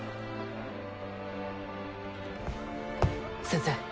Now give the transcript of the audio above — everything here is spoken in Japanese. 先生